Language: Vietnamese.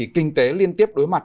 kinh tế liên tiếp đối mặt